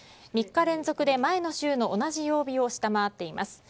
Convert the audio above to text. ３日連続で前の週の同じ曜日を下回っています。